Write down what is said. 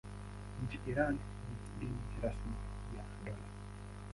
Nchini Iran ni dini rasmi ya dola.